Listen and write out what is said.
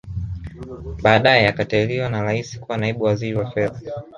Baadae akateuliwa na Rais kuwa Naibu Waziri wa Fedha